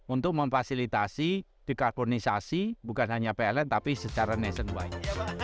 untuk memfasilitasi dekarbonisasi bukan hanya pln tapi secara nationwide